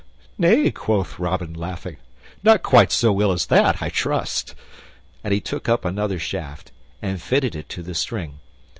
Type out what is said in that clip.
"Nay," quoth Robin, laughing, "not quite so ill as that, I trust." And he took up another shaft and fitted it to the string.